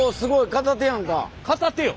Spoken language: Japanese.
片手よ。